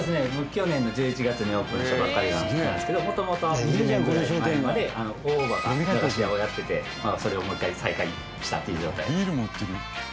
去年の１１月にオープンしたばっかりなんですけど元々は２０年ぐらい前まで大叔母が駄菓子屋をやっててそれをもう一回再開したという状態です。